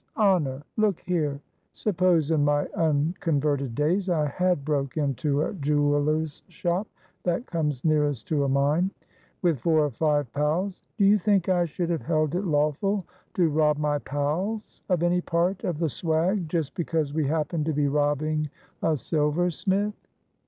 honor. Look here, suppose in my unconverted days I had broke into a jeweler's shop (that comes nearest to a mine) with four or five pals, do you think I should have held it lawful to rob my pals of any part of the swag just because we happened to be robbing a silversmith?